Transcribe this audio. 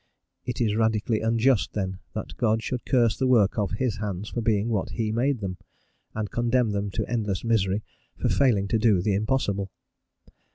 It is radically unjust, then, that God should curse the work of His hands for being what He made them, and condemn them to endless misery for failing to do the impossible.